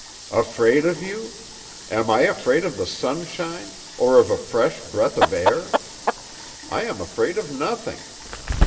"Afraid of you! Am I afraid of the sunshine, or of a fresh breath of air! I am afraid of nothing.